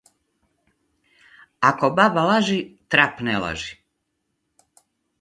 Ако баба лажи, трап не лажи.